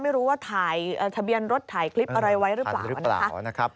ไม่รู้ว่าถ่ายทะเบียนรถถ่ายคลิปอะไรไว้หรือเปล่านะคะ